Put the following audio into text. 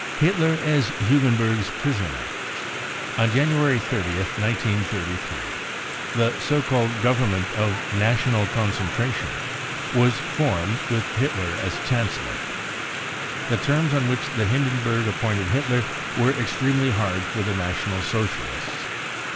Hitler as Hugenberg's Prisoner. On January 30th, 1933* the so called Government of " national concentration " was formed, with Hitler as Chancellor. The terms on which Hindenburg* appointed Hitler were extremely hafrd for the National Socialists.